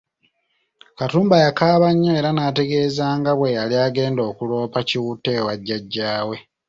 Katumba yakaaba nnyo era n'ategeeza nga bwe yali agenda okuloopa Kiwutta ewa jajja we.